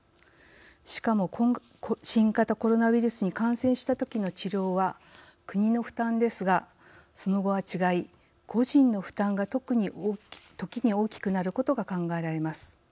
しかも、新型コロナウイルスに感染したときの治療は国の負担ですがその後は違い、個人の負担が時に大きくなることが考えられます。